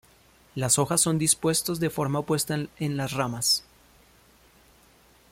Las hojas son dispuestos de forma opuesta en las ramas.